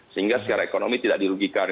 sehingga secara ekonomi tidak dirugikan